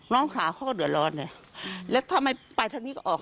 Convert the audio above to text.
น้องสาวเขาก็เดือดร้อนไงแล้วถ้าไม่ไปทางนี้ก็ออก